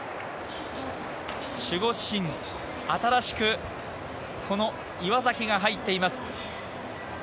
守護神、新しくこの岩崎が入っています。